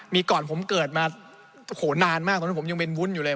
มีก่อนผมเกิดมาโอ้โหนานมากตอนนั้นผมยังเป็นวุ้นอยู่เลย